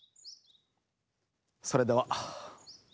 それでは。